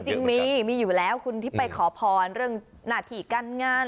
จริงมีมีอยู่แล้วคุณที่ไปขอพรเรื่องหน้าที่การงาน